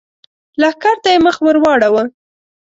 لښکر ته يې مخ ور واړاوه!